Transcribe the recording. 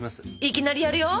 いきなりやるよ！